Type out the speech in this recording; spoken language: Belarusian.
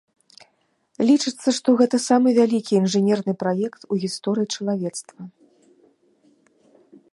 Лічыцца, што гэта самы вялікі інжынерны праект у гісторыі чалавецтва.